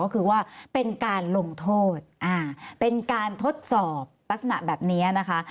ก็คือว่าเป็นการลงโทษเป็นการทดสอบลักษณะแบบนี้นะคะ